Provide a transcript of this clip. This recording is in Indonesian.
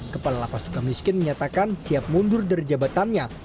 kepala lapas suka miskin menyatakan siap mundur dari jabatannya